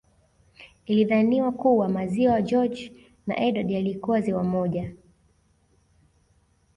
Ilidhaniwa kuwa Maziwa George na Edward yalikuwa ziwa moja